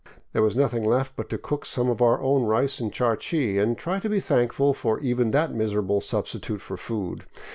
There was nothing left but to cook some of our own rice and charqui, and try to be thankful for even that miserable sub stitute for food.